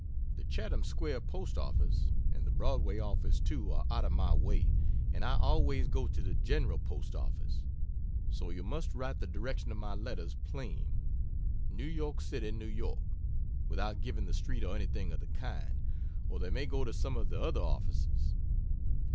The Chatham square Post Office and the Broadway office too, are out of my way, and I always go to the General Post Office; so you must write the direction of my letters plain, "New York City, N. Y.," without giving the street or anything of the kind, or they may go to some of the other offices.